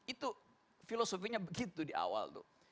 itu filosofinya begitu di awal tuh